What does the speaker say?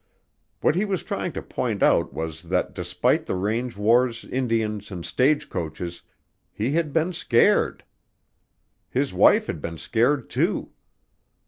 What he was trying to point out was that despite the range wars, Indians, and stagecoaches, he had been scared. His wife had been scared too.